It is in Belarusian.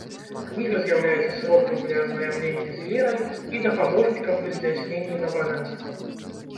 Кніга з'яўляецца сродкам для азнаямлення з верай і дапаможнікам пры здзяйсненні набажэнстваў.